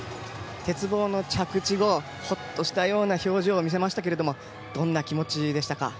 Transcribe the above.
鉄棒の着地後ほっとしたような表情を見せましたけれどもどんな気持ちでしたか？